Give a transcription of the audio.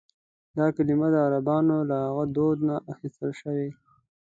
دا کلیمه د عربانو له هغه دود نه اخیستل شوې.